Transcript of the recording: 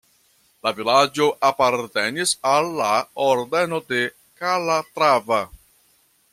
La vilaĝo apartenis al la Ordeno de Kalatrava.